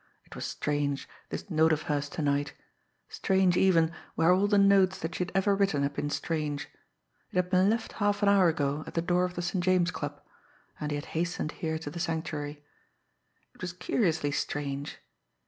It was strange, this note of hers to night strange, even, where all the notes that she had ever written had been strange! It had been left half an hour ago at the door of the St. James Club and he had hastened here to the Sanctuary. It was curiously strange!